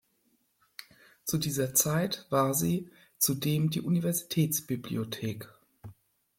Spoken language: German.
Zu dieser Zeit war sie zudem die Universitätsbibliothek.